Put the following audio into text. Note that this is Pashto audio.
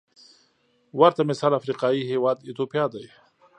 ورته مثال افریقايي هېواد ایتوپیا دی.